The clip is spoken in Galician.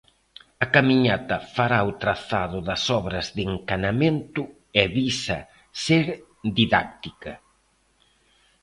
A camiñata fará o trazado das obras de encanamento e visa ser didáctica.